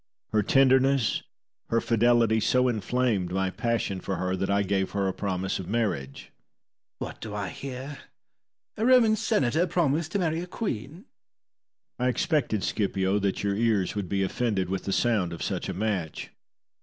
Her tenderness, her fidelity so inflamed my passion for her that I gave her a promise of marriage. Scipio. What do I hear? A Roman senator promise to marry a queen! Titus. I expected, Scipio, that your ears would be offended with the sound of such a match.